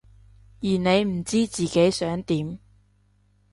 而你唔知自己想點？